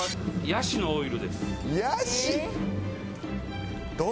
ヤシのオイルって。